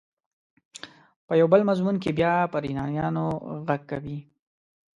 په یو بل مضمون کې بیا پر ایرانیانو غږ کوي.